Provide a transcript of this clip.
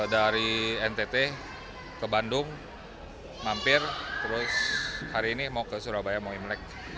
dari ntt ke bandung mampir terus hari ini mau ke surabaya mau imlek